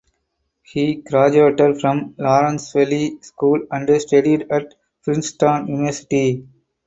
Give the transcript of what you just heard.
He graduated from Lawrenceville School and studied at Princeton University.